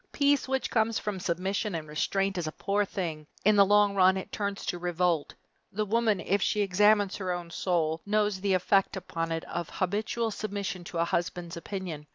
Peace which comes from submission and restraint is a poor thing. In the long run it turns to revolt. The woman, if she examines her own soul, knows the effect upon it of habitual submission to a husband's opinion.